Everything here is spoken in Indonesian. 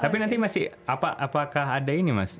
tapi nanti masih apakah ada ini mas